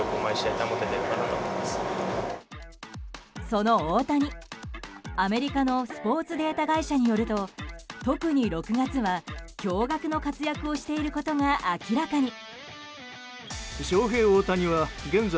その大谷、アメリカのスポーツデータ会社によると特に６月は驚愕の活躍をしていることが明らかに。